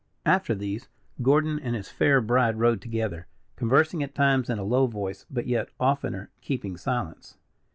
After these, Gordon and his fair bride rode together, conversing at times in a low voice, but yet oftener keeping silence.